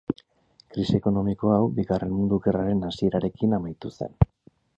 Krisi ekonomiko hau Bigarren Mundu Gerraren hasierarekin amaitu zen.